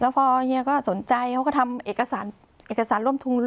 แล้วพอเนี้ยก็สนใจเขาก็ทำเอกสารเอกสารร่วมทุน